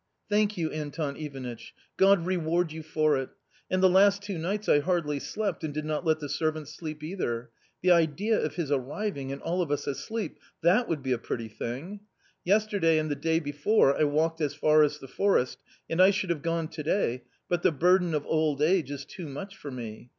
." Thank you, Anton Ivanitch ; God reward you for it ! /And the last two nights I hardly slept, and did not let the servants sleep either ; the idea of his arriving, and all of us asleep — that would be a pretty thing ! Yesterday and the day before I walked as far as the forest, and I should have gone to day, but the burden of old age is too much for me.